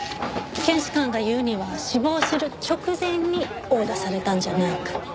検視官が言うには死亡する直前に殴打されたんじゃないかと。